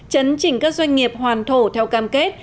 chấn chỉnh các doanh nghiệp hoàn thổ theo cam kết